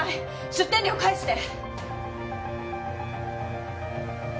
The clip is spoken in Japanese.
出店料返して！